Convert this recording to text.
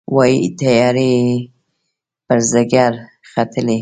وايي، تیارې یې پر ځيګر ختلي